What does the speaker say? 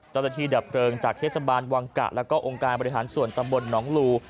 เจ้าหน้าที่ดับเพลิงจากเทศบาลวางกะและก็องค์การบริฐานส่วนตำบลน้องหลู่